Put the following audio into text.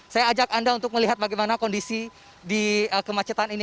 saya ajak anda untuk melihat bagaimana kondisi di kemacetan ini